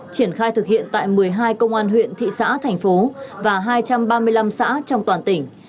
triển khai thực hiện tại một mươi hai công an huyện thị xã thành phố và hai trăm ba mươi năm xã trong toàn tỉnh